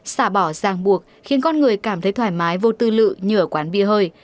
xả bỏ giang buộc khiến con người cảm thấy thoải mái vô tư lự như ở quán bia hơi